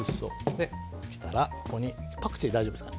できたら、ここにパクチー大丈夫ですか？